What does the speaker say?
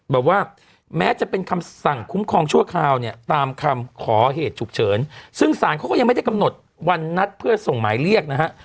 บอกว่าแม้จะเป็นคำสั่งคุ้มครองชั่วคราวเนี่ยตามคำขอเหตุฉุกเฉินซึ่งสารเขาก็ยังไม่ได้กำหนดวันนัดเพื่อส่งหมายเรียกนะฮะ